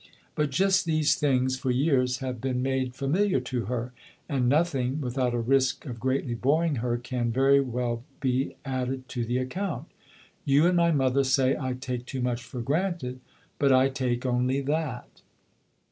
But just these things, for years, have been made familiar to her, and nothing, without a risk of greatly boring her, can very well be added to the account. You and my mother say I take too much for granted ; but I take only that."